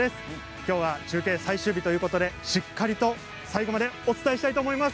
今日は中継最終日ということでしっかりと最後までお伝えしたいと思います。